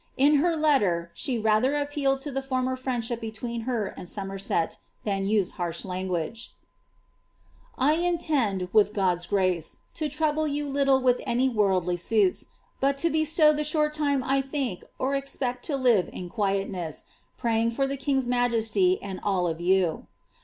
In her letter, she rather appealed to the former Iship between her and Somerset, than used harsh language :— intend, with God's grace, to trouble you little with any worldly suits, but •tow tlie short time I tkink (expect) to live in quietness ; praying ibr the majesty and all of you.